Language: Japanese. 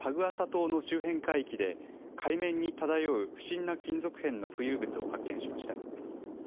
島の周辺海域で海面に漂う不審な金属片の浮遊物を発見しました。